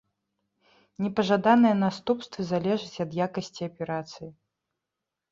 Непажаданыя наступствы залежаць ад якасці аперацыі.